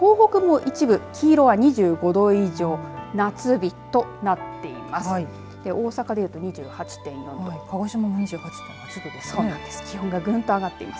九州から関東そして東北も一部黄色は２５度以上夏日となっています。